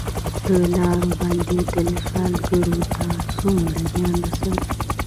د لارو بندیدل سوداګرو ته څومره زیان رسوي؟